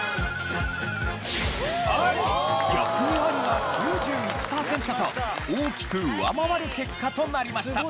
逆にアリが９１パーセントと大きく上回る結果となりました。